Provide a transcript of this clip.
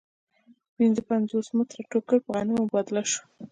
پنځه پنځوس متره ټوکر په غنمو مبادله شو